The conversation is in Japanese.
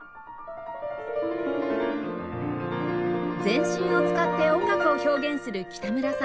全身を使って音楽を表現する北村さん